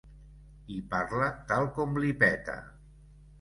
I parla tal com li peta.